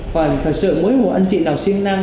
và thật sự mỗi một anh chị nào sinh năm